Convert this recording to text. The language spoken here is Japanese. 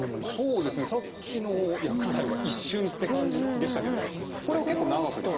そうですねさっきの薬剤は一瞬って感じでしたけどこれは結構長く出ますね。